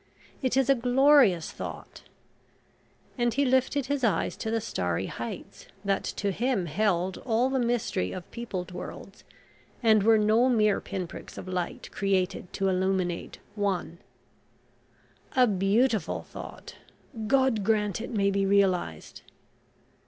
It is a glorious thought," and he lifted his eyes to the starry heights, that to him held all the mystery of peopled worlds and were no mere pin pricks of light, created to illuminate one. "A beautiful thought God grant it may be realised!"